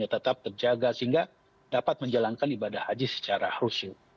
yang tetap terjaga sehingga dapat menjalankan ibadah haji secara rusuh